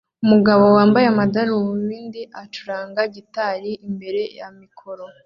Umugabo wambaye amadarubindi acuranga gitari imbere ya mikoro